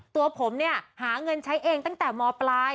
ตัวผมเนี่ยหาเงินใช้เองตั้งแต่มปลาย